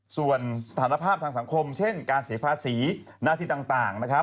ส่วนสถานภาพทางสังคมเช่นการเสียภาษีหน้าที่ต่าง